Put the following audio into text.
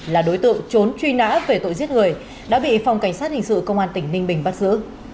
là đối tượng trốn truy nã về tội giết người đã bị phòng cảnh sát hình sự công an tỉnh ninh bình bắt giữ